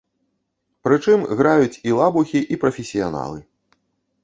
Прычым, граюць і лабухі і прафесіяналы.